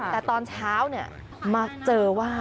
แต่ตอนเช้าเนี่ยมาเจอว่า